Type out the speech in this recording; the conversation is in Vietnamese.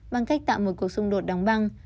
bằng cách tạo một cuộc xung đột đóng băng